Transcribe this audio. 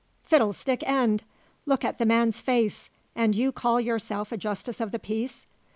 "Fiddlestick end! Look at the man's face. And you call yourself a justice of the peace?"